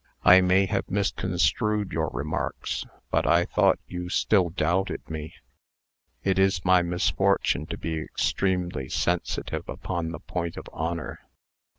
I may have misconstrued your remarks, but I thought you still doubted me. It is my misfortune to be extremely sensitive upon the point of honor.